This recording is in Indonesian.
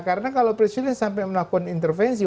karena kalau presiden sampai melakukan intervensi